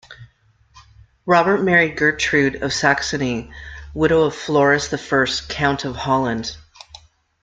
Robert married Gertrude of Saxony, widow of Floris I, Count of Holland.